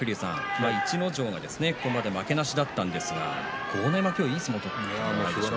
今、逸ノ城が、ここまで負けなしだったんですが豪ノ山、今日いい相撲を取りましたね。